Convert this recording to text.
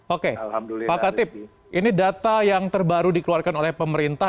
oke pak katip ini data yang terbaru dikeluarkan oleh pemerintah